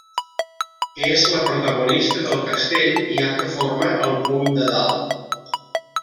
És la protagonista del castell, ja que forma el pom de dalt.